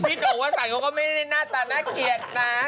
พี่โหน่งว่าสั่นวะก็ไม่ได้หน้าตาน่าเกลียดนะ